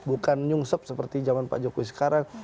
bukan nyungsep seperti zaman pak jokowi sekarang